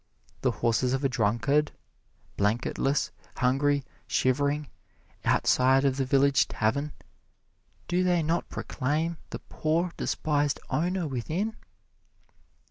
The horses of a drunkard, blanketless, hungry, shivering, outside of the village tavern, do they not proclaim the poor, despised owner within?